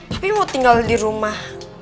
tapi mau tinggal di rumah